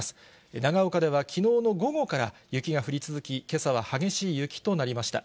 長岡ではきのうの午後から雪が降り続き、けさは激しい雪となりました。